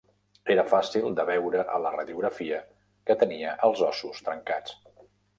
Era fàcil de veure a la radiografia que tenia els ossos trencats.